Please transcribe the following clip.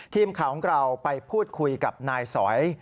ทีมข่าวของเราไปพูดคุยกับนายสอย